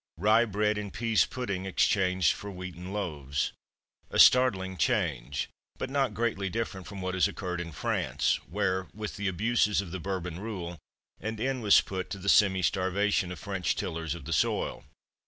Rye bread and pease pudding exchanged for wheaten loaves. A startling change, but not greatly different from what has occurred in France, where, with the abuses of the Bourbon rule, an end was put to the semi starvation of French tillers of the soil.